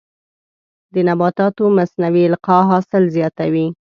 د نباتاتو مصنوعي القاح حاصل زیاتوي.